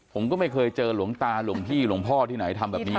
ผมก็ไม่เคยเจอหลวงตาหลวงพี่หลวงพ่อที่ไหนทำแบบนี้